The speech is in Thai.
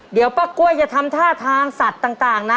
เดี๋ยวป้ากล้วยจะทำท่าทางสัตว์ต่างนะ